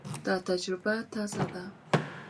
دا تجربه تازه ده.